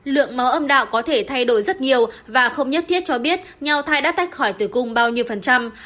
lượng máu âm đạo có thể thay đổi rất nhiều và không nhất thiết cho biết nhau thai đã tách khỏi tử cung bao nhiêu phần trăm